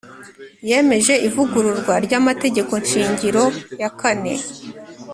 Yemeje ivugururwa ry Amategekoshingiro ya kane